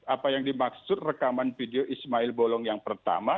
apa yang dimaksud rekaman video ismail bolong yang pertama